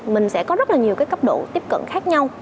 mình sẽ có rất nhiều cấp độ tiếp cận khác nhau